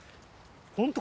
本当